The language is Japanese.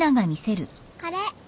これ。